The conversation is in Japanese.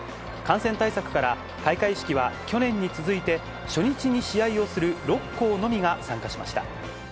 感染対策から、開会式は去年に続いて、初日に試合をする６校のみが参加しました。